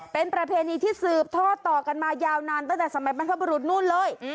เป็นประเพณีที่สืบท่อต่อกันมายาวนานตั้งแต่สมัยบรรพบรุษนู่นเลย